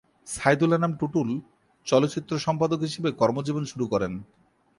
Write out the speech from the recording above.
সাইদুল আনাম টুটুল চলচ্চিত্র সম্পাদক হিসেবে কর্মজীবন শুরু করেন।